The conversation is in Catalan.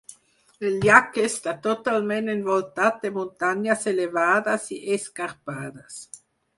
El llac està totalment envoltat de muntanyes elevades i escarpades.